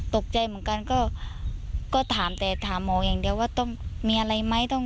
ตกใจเหมือนกันก็ถามแต่ถามหมออย่างเดียวว่าต้องมีอะไรไหม